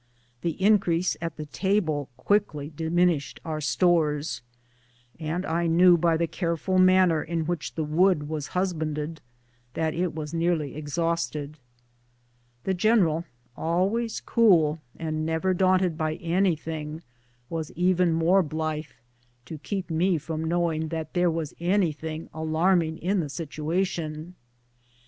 The increase at the table quickly diminished our stores, and I knew by the careful manner in which the wood was husbanded that it was nearly exhausted. The general, always cool and never daunted by anything, was even more blithe, to keep me from knowing that there was anything alarming in the situation.